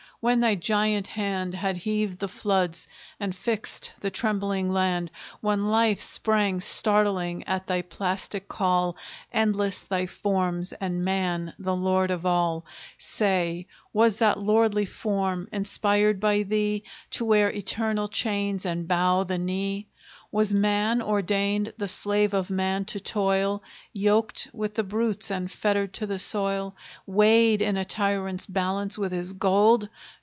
when thy giant hand Had heaved the floods and fixed the trembling land, When life sprang startling at thy plastic call, Endless thy forms, and man the lord of all: Say, was that lordly form inspired by thee, To wear eternal chains and bow the knee? Was man ordained the slave of man to toil, Yoked with the brutes, and fettered to the soil, Weighed in a tyrant's balance with his gold?